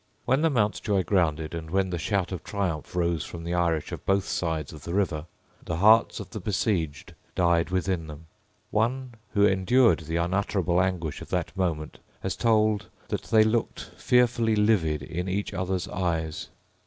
When the Mountjoy grounded, and when the shout of triumph rose from the Irish on both sides of the river, the hearts of the besieged died within them. One who endured the unutterable anguish of that moment has told that they looked fearfully livid in each other's eyes.